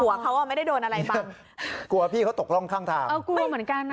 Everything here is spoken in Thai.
เขาอ่ะไม่ได้โดนอะไรบ้างกลัวพี่เขาตกร่องข้างทางเออกลัวเหมือนกันนะ